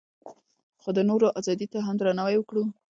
خو د نورو ازادۍ ته هم درناوی وکړو.